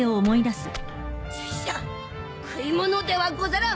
拙者食い物ではござらん